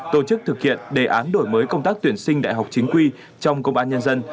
tổ chức thực hiện đề án đổi mới công tác tuyển sinh đại học chính quy trong công an nhân dân